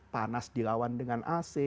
panas dilawan dengan ac